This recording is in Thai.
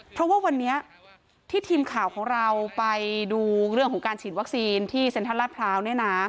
เพราะว่าวันนี้ที่ทีมข่าวของเราไปดูเรื่องของการฉีดวัคซีนที่เซ็นทรัลลาดพร้าวเนี่ยนะ